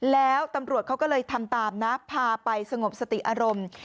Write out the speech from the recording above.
แล้วตำรวจเขาก็เลยทำตามนะพาไปสงบสติอารมณ์